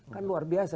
kan luar biasa